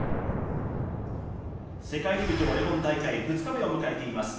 世界陸上オレゴン大会、２日目を迎えています。